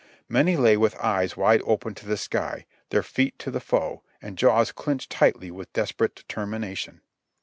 Many lay with eyes wide open to the sky, their feet to the foe, and jaws clenched tightly with desperate determination.